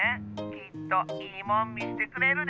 きっと「いいもん」みせてくれるで。